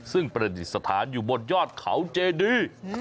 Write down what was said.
ซึ่งประดิษฐานอยู่บนยอดเขาเจดี